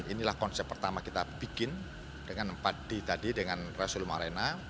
inilah konsep pertama kita bikin dengan empat d tadi dengan rasul arena